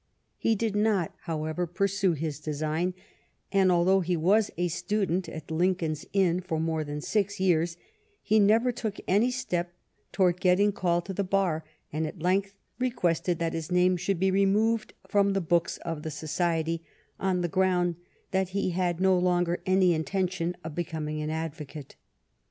He did not, however, pursue his design, and although he was a stu dent at Lincoln's Inn for more than six years, he never took any step towards getting called to the bar, and at length requested that his name should be removed from the books of the society, on the ground that he had no longer any inten tion of becoming an advocate.